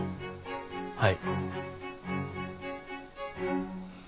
はい。